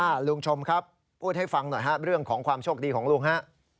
ลุงชมครับพูดให้ฟังหน่อยฮะเรื่องของความโชคดีของลุงฮะ